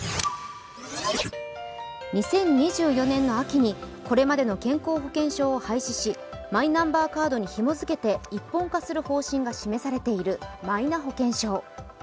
２０２４年の秋に、これまでの健康保険証を廃止し、マイナンバーカードにひもづけて一本化する方針が示されているマイナ保険証。